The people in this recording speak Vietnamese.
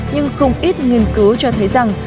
nhưng không ít nghiên cứu cho thấy rằng